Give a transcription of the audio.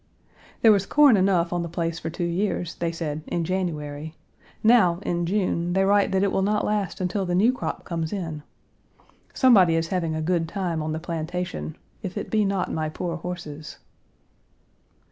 There was corn enough on the place for two years, they said, in January; now, in June, they write that it will not last until the new crop comes in. Somebody is having a good time on the plantation, if it be not my poor horses.